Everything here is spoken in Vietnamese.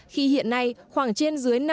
khi hiện nay khoảng trên dưới năm mươi đồng